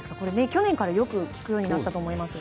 去年からよく聞くようになったと思いますが。